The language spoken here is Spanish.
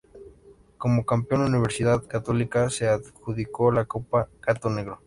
Como campeón, Universidad Católica se adjudicó la Copa Gato Negro.